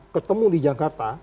ketemu di jakarta